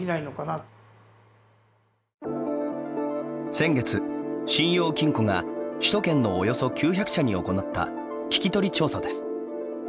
先月、信用金庫が首都圏のおよそ９００社に行った聞き取り調査です。